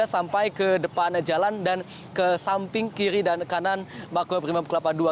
sampai ke depan jalan dan ke samping kiri dan kanan maklumah pemimpin kelapa ii